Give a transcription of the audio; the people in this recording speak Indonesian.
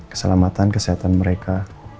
keselamatan kesehatan mereka